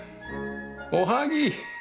おはぎ！